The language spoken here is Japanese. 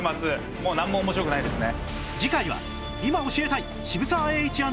もうなんも面白くないですね。